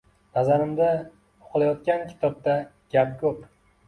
Nazarimda, o‘qilayotgan kitobda gap ko’p.